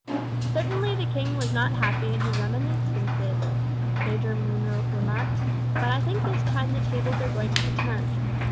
"Certainly the king was not happy with his reminiscences," Major Munro remarked; "but I think this time the tables are going to be turned.